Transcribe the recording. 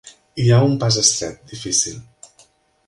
Hi ha un pas estret, difícil.